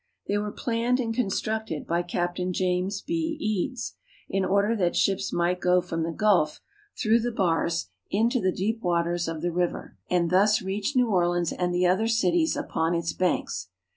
They were planned and constructed by Captain James B. Eads, in order that ships might go from the gulf through the bars into the deep waters of the river, and thus reach New Orleans and the other cities upon its banks.